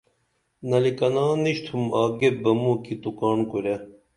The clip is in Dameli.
نلی کنا نِشِتُھم آگیپ بہ موں کی تو کاڻ کُرے